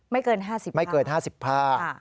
ไม่เกิน๕๐ภาพ